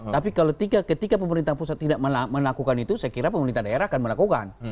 tapi ketika pemerintah pusat tidak melakukan itu saya kira pemerintah daerah akan melakukan